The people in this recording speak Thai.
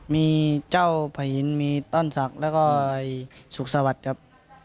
มีเจ้าผ่ายหินมีต้อนศักดิ์แล้วก็สุขศาวัฒน์ครับ